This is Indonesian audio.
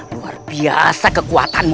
luar biasa kekuatanmu